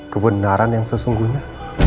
kebenaran yang sesungguhnya